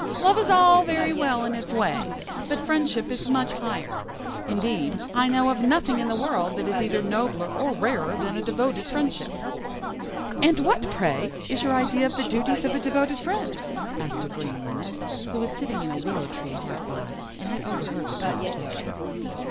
Love is all very well in its way, but friendship is much higher. Indeed, I know of nothing in the world that is either nobler or rarer than a devoted friendship." "And what, pray, is your idea of the duties of a devoted friend?" asked a Green Linnet, who was sitting in a willow tree hard by, and had overheard the conversation.